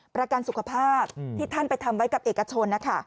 ประกันสุขภาพที่ท่านไปทำไว้กับเอกชนนะคะ